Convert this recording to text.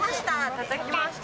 たたきました。